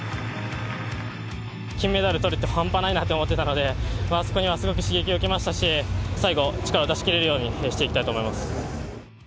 金メダルとれて半端ないなって思ってたので、そこにはすごく刺激を受けましたし、最後、力を出しきれるようにしていきたいと思います。